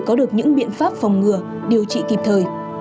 có được những biện pháp phòng ngừa điều trị kịp thời